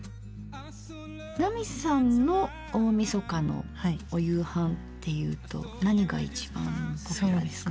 奈美さんの大みそかのお夕飯っていうと何が一番ポピュラーですか？